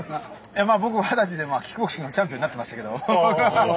僕二十歳でキックボクシングのチャンピオンなってましたけど。